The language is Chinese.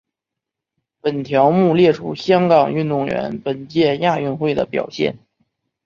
本条目列出香港运动员于本届亚运会的表现。